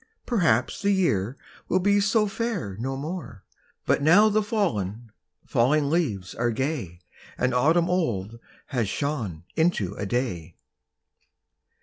Perhaps the year will be so fair no more, But now the fallen, falling leaves are gay, And autumn old has shone into a Day!